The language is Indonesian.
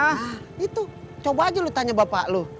wah itu coba aja lu tanya bapak lu